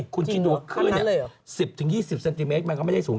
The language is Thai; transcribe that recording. คุณคิดดูคลื่น๑๐๒๐เซนติเมตรมันก็ไม่ได้สูง